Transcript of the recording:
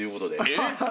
えっ！